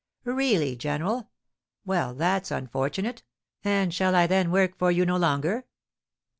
"Really, general! Well, that's unfortunate! And shall I then work for you no longer?"